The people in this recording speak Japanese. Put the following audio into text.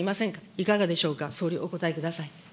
いかがでしょうか、総理、お答えください。